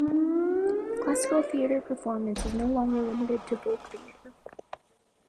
Classical theatre performance is no longer limited to folk theatre.